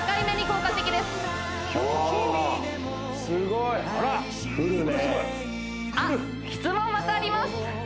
これすごいあっ質問またあります